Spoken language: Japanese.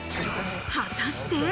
果たして？